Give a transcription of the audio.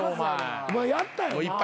お前やったよな？